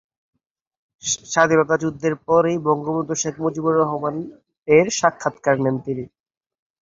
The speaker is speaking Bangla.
স্বাধীনতা যুদ্ধের পর পরই বঙ্গবন্ধু শেখ মুজিবুর রহমানের সাক্ষাৎকার নেন তিনি।